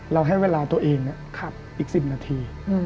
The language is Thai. ให้เวลาตัวเองขับอีก๑๐นาที